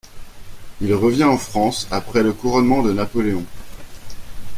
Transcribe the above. Il revient en France après le couronnement de Napoléon.